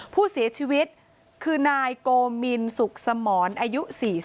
ผู้เสียชีวิตคือนายโกมินสุขสมรอายุ๔๐